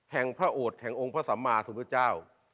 แห่งพระโอตแห่งองค์พระสัมมาทุกพระเจ้า